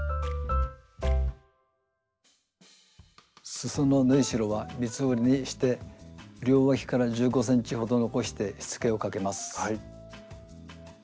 すその縫いしろは三つ折りにして両わきから１５ｃｍほど残してしつけをかけます。